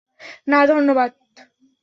না, ধন্যবাদ!